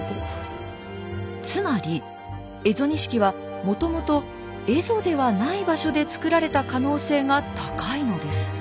つまり蝦夷錦はもともと蝦夷ではない場所で作られた可能性が高いのです。